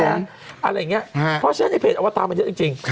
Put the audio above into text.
อะไรอย่างนี้เพราะฉะนั้นในเพจอวตารมันเยอะจริง